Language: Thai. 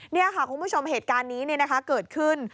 นี่ค่ะคุณผู้ชมเหตุการณ์นี้เกิดขึ้น